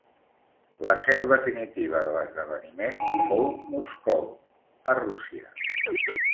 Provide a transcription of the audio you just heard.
La seu definitiva de l'esdeveniment fou Moscou, a Rússia.